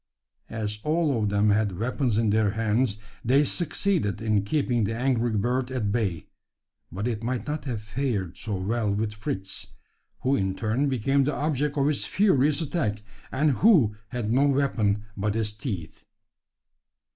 As all of them had weapons in their hands, they succeeded in keeping the angry bird at bay, but it might not have fared so well with Fritz who in turn became the object of its furious attack, and who had no weapon but his teeth.